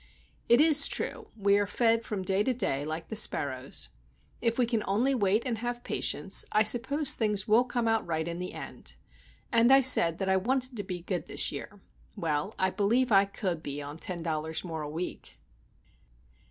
It is true,—we are fed from day to day like the sparrows. If we can only wait and have patience, I suppose things will come out right in the end. And I said that I wanted to be good this year. Well, I believe I could be on ten dollars more a week.